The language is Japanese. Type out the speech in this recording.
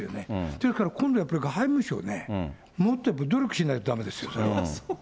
ですから、今度やっぱり外務省ね、もっとやっぱり努力しないとだめですよ。